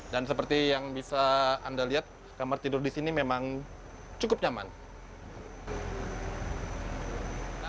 dan seperti yang bisa anda lihat kamar tidur disini memang cukup nyaman